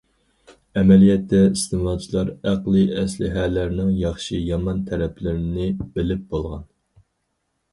ئەمەلىيەتتە ئىستېمالچىلار ئەقلىي ئەسلىھەلەرنىڭ ياخشى- يامان تەرەپلىرىنى بىلىپ بولغان.